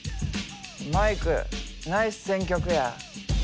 マイクナイス選曲や。